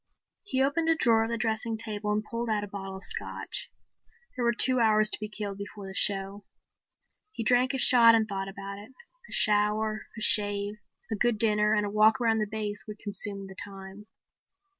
He opened a drawer of the dressing table and pulled out a bottle of Scotch. There were two hours to be killed before the show. He drank a shot and thought about it. A shower, a shave, a good dinner and a walk around the base would consume the time.